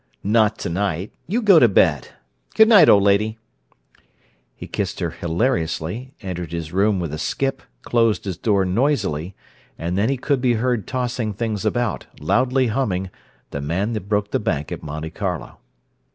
"Not to night. You go to bed. Good night, old lady!" He kissed her hilariously, entered his room with a skip, closed his door noisily; and then he could be heard tossing things about, loudly humming "The Man that Broke the Bank at Monte Carlo."